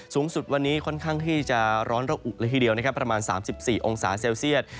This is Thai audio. สูงสุดวันนี้ค่อนข้างที่จะร้อนระอุประมาณ๓๔องศาเซลเซียต